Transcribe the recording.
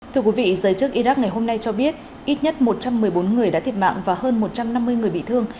thưa quý vị giới chức iraq ngày hôm nay cho biết ít nhất một trăm một mươi bốn người đã thiệt mạng và hơn một trăm năm mươi người bị thương